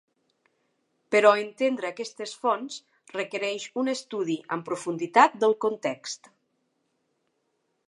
Però entendre aquestes fonts requereix un estudi amb profunditat del context.